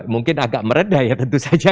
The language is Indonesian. mungkin agak meredah ya tentu saja